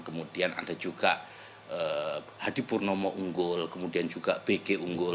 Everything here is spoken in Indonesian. kemudian ada juga hadi purnomo unggul kemudian juga bg unggul